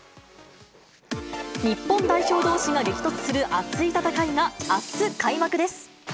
日本代表どうしが激突する熱い戦いがあす開幕です。